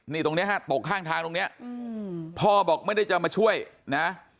นี่ตรงนี้ฮะตกข้างทางตรงนี้พ่อบอกไม่ได้จะมาช่วยนะ